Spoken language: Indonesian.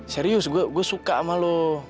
serius gua suka sama lu